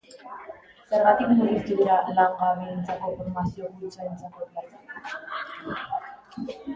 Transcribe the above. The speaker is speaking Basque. Zergatik murriztu dira langabeentzako formazio-kurtsoentzako plazak?